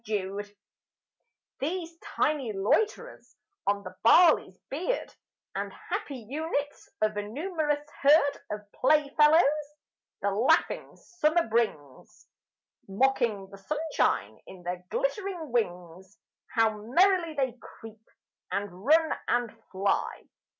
Insects These tiny loiterers on the barley's beard, And happy units of a numerous herd Of playfellows, the laughing Summer brings, Mocking the sunshine in their glittering wings, How merrily they creep, and run, and fly!